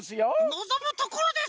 のぞむところです！